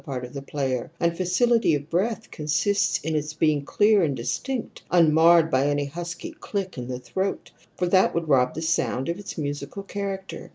part of the player; and facility of breath consists in its being clear and Wistinct, unmarred by any husky click in the throat, for that would rob the sound of its musical character.